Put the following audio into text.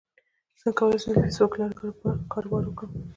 څنګه کولی شم د فېسبوک له لارې کاروبار وکړم